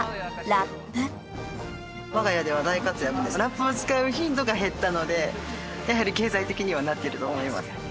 ラップを使う頻度が減ったのでやはり経済的にはなってると思います。